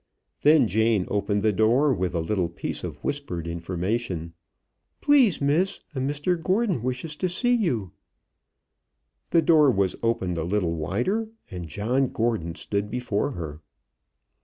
Then Jane opened the door, with a little piece of whispered information. "Please, Miss, a Mr Gordon wishes to see you." The door was opened a little wider, and John Gordon stood before her.